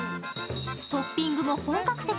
トッピングも本格的。